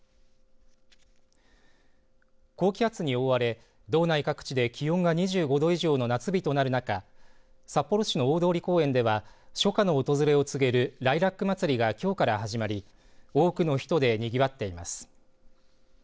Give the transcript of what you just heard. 高気圧に覆われ道内各地で気温が２５度以上の夏日となる中札幌市の大通公園では初夏の訪れを告げるライラックまつりがきょうから始まり多くの人でにぎわっています。